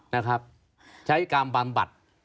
นะครับใช้การบำบัด